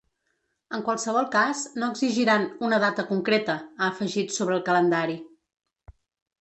En qualsevol cas, no exigiran ‘una data concreta’, ha afegit sobre el calendari.